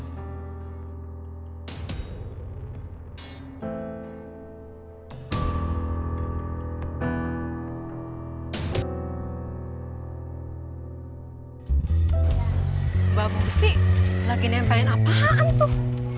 mbak bukti lagi nempelin apaan tuh